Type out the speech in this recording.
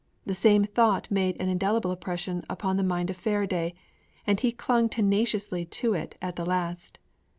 The same thought made an indelible impression upon the mind of Faraday, and he clung tenaciously to it at the last.